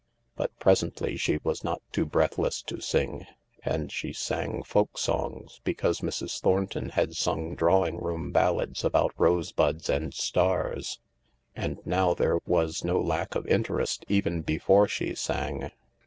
But presently she was not too breathless to sing, and she sang folk songs, because Mrs. Thornton had sung, drawing, room ballads about rosebuds and stars. And now there was no lack of interest— even before she sang.